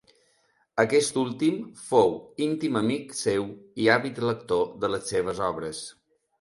Aquest últim fou íntim amic seu i àvid lector de les seves obres.